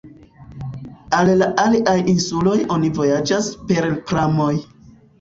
Al la aliaj insuloj oni vojaĝas per pramoj.